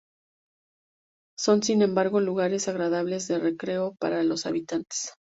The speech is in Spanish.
Son, sin embargo, lugares agradables de recreo para los habitantes.